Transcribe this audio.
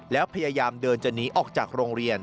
แล้วพยายามเดินจะหนีออกจากโรงเรียน